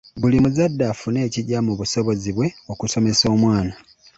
Buli muzadde afune ekigya mu busobozi bwe okusomesa omwana.